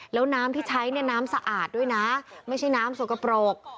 แล้วน้ำที่ใช้เนี่ยน้ำสะอาดด้วยนะไม่ใช่น้ำสกปรก